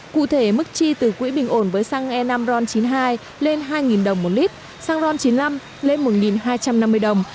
cụ thể mức chi từ quỹ bình ổn với xăng e năm ron chín mươi hai lên hai đồng một lít xăng ron chín mươi năm lên một hai trăm năm mươi đồng